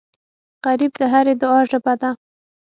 غریب د هرې دعا ژبه ده